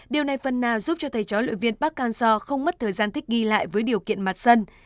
điều này phần nào giúp cho thầy chó luyện viên park hang seo không mất thời gian thích ghi lại với điều kiện mặt sân